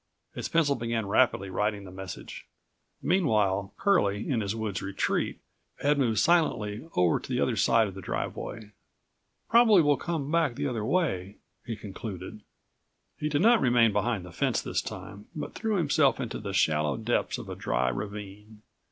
His pencil began rapidly writing the message. Meanwhile Curlie in his woods retreat had moved silently over to the other side of the driveway. "Probably will come back the other way," he concluded. He did not remain behind the fence this time but threw himself into the shallow depths of a dry ravine.